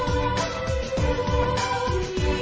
โอ้โอ้โอ้โอ้